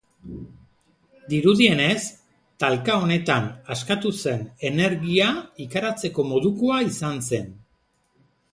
Dirudienez, talka honetan askatu zen energia ikaratzeko modukoa izan zen.